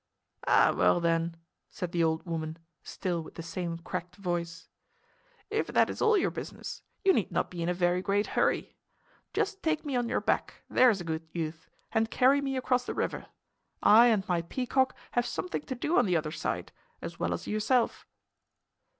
"Ah, well, then," said the old woman, still with the same cracked voice, "if that is all your business, you need not be in a very great hurry. Just take me on your back, there's a good youth, and carry me across the river. I and my peacock have something to do on the other side, as well as yourself."